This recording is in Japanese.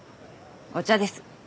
お茶です。